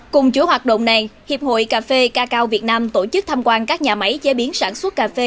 cùng chữa hoạt động này hiệp hội cà phê cacao việt nam tổ chức thăm quan các nhà máy chế biến sản xuất cà phê